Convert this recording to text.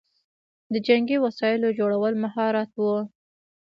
د جنګي وسایلو جوړول مهارت و